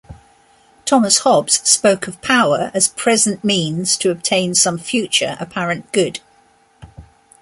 Thomas Hobbes spoke of power as present means to obtain some future apparent good.